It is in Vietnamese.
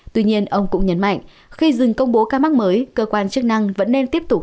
tuy nhiên ông cũng nhấn mạnh khi dừng công bố ca mắc mới cơ quan chức năng vẫn nên tiếp tục